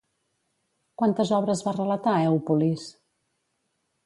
Quantes obres va relatar Èupolis?